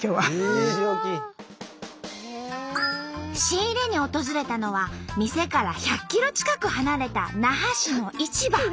仕入れに訪れたのは店から１００キロ近く離れた那覇市の市場。